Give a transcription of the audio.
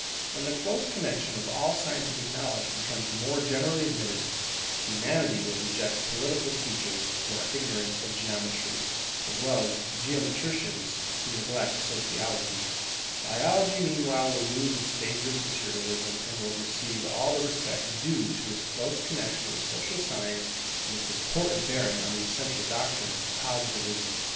When the close connexion of all scientific knowledge becomes more generally admitted, Humanity will reject political teachers who are ignorant of Geometry, as well as geometricians who neglect Sociology. Biology meanwhile will lose its dangerous materialism, and will receive all the respect due to its close connexion with social science and its important bearing on the essential doctrines of Positivism.